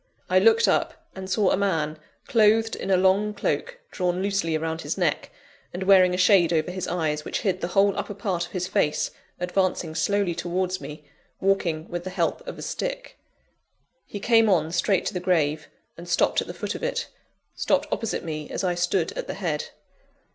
I looked up, and saw a man, clothed in a long cloak drawn loosely around his neck, and wearing a shade over his eyes, which hid the whole upper part of his face, advancing slowly towards me, walking with the help of a stick. He came on straight to the grave, and stopped at the foot of it stopped opposite me, as I stood at the head.